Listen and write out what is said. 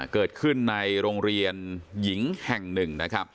เกิดขึ้นในโรงเรียนหญิงแห่ง๑